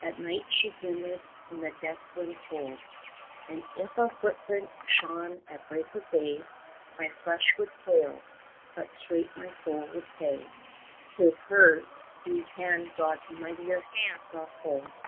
At night she glimmered in the death wind cold, 5 And if a footprint shone at break of day, My flesh would quail, but straight my soul would say: ''Tis hers whose hand God's mightier hand doth hold.'